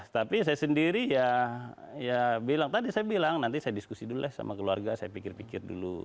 tapi saya sendiri ya bilang tadi saya bilang nanti saya diskusi dulu lah sama keluarga saya pikir pikir dulu